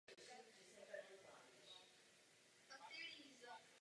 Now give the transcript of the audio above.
Je řízen Okresním fotbalovým svazem Český Krumlov.